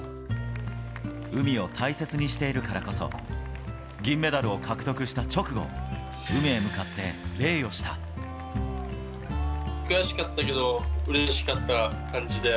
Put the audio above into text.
海を大切にしているからこそ、銀メダルを獲得した直後、悔しかったけど、うれしかった感じで。